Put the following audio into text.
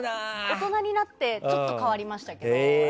大人になってちょっと変わりましたけど。